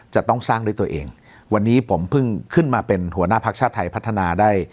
จะต้องสร้างด้วยตัวเองวันนี้ผมเพิ่งขึ้นมาเป็นหัวหน้าพักชาติไทยพัฒนาได้